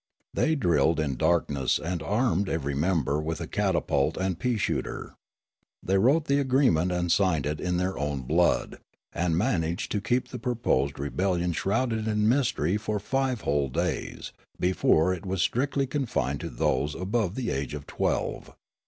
They drilled in darkness and armed ever}' member with a catapult and pea shooter. The}^ wrote the agreement and signed it in their own blood, and managed to keep the proposed rebellion shrouded in mystery for five whole days, for it was strictly confined to those above the age of twelve.